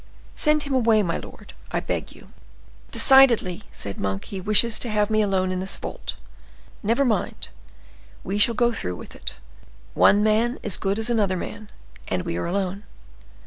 Send him away, my lord, I beg you." "Decidedly," said Monk, "he wishes to have me alone in this vault. Never mind, we shall go through with it; one man is as good as another man; and we are alone.